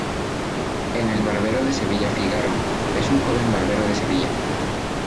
En El Barbero de Sevilla Fígaro es un joven barbero de Sevilla.